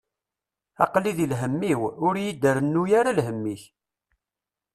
Aql-i di lhemm-iw, ur yi-d-rennu ara lhemm-ik.